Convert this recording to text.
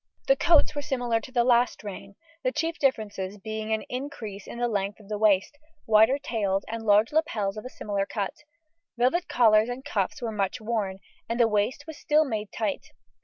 The coats were similar to the last reign: the chief differences being an increase in the length of the waist, wider tails, and large lapels of a similar cut: velvet collars and cuffs were much worn, and the waist was still made tight.